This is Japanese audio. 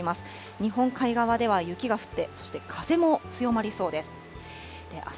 日本海側では雪が降って、そして風も強まりそうです。